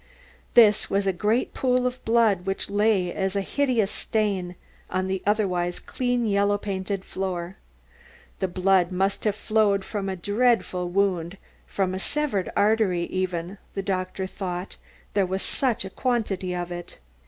This was a great pool of blood which lay as a hideous stain on the otherwise clean yellow painted floor. The blood must have flowed from a dreadful wound, from a severed artery even, the doctor thought, there was such a quantity of it.